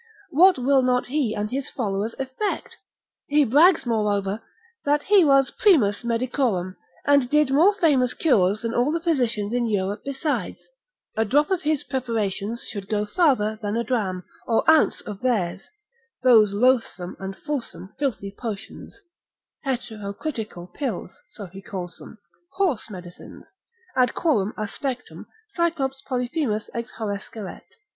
What will not he and his followers effect? He brags, moreover, that he was primus medicorum, and did more famous cures than all the physicians in Europe besides, a drop of his preparations should go farther than a dram, or ounce of theirs, those loathsome and fulsome filthy potions, heteroclitical pills (so he calls them), horse medicines, ad quoram aspectum Cyclops Polyphemus exhorresceret.